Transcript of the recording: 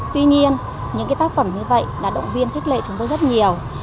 tuy nhiên những tác phẩm như vậy đã động viên khích lệ chúng tôi rất nhiều